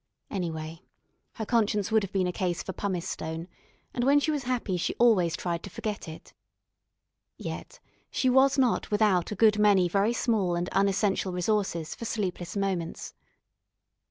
Anyway her conscience would have been a case for pumice stone, and when she was happy she always tried to forget it. Yet she was not without a good many very small and unessential resources for sleepless moments.